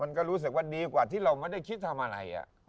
มันก็รู้สึกว่าดีกว่าที่เราไม่ได้คิดทำอะไร